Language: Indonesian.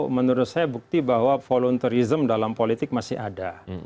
menurut saya bukti bahwa volunterism dalam politik masih ada